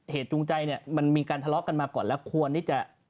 จูงใจเนี่ยมันมีการทะเลาะกันมาก่อนแล้วควรที่จะ